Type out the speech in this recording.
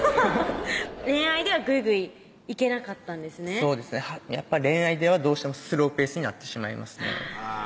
恋愛ではグイグイいけなかったんですねそうですねやっぱ恋愛ではスローペースになってしまいますねあぁ